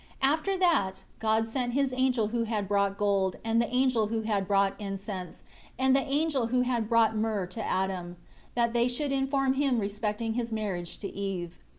3 After that, God sent His angel who had brought gold, and the angel who had brought incense, and the angel who had brought myrrh to Adam, that they should inform him respecting his marriage to Eve.